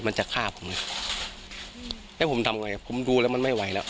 มันจะฆ่าผมเลยให้ผมทำอย่างไรผมดูแล้วมันไม่ไหวแล้ว